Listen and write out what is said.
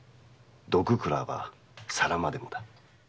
「毒食らわば皿までも」だ。